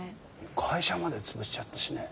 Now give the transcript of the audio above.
会社までつぶしちゃったしね。